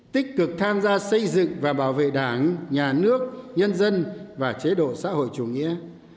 tích cực tham gia xây dựng và bảo vệ đảng nhà nước nhân dân và chế độ xã hội chủ nghĩa